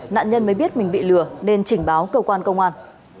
nạn nhân mới biết mình bị lừa nên trình báo cơ quan công an